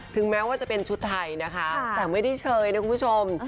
แม้ว่าจะเป็นชุดไทยนะคะแต่ไม่ได้เชยนะคุณผู้ชม